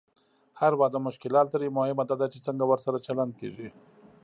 هر واده مشکلات لري، مهمه دا ده چې څنګه ورسره چلند کېږي.